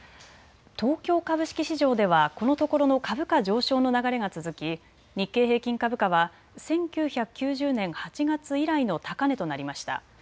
東京株式市場ではこのところの株価上昇の流れが続き日経平均株価は１９９０年８月以来の高値となりました。